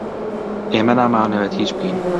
ئێمە نامانەوێت هیچ بکەین.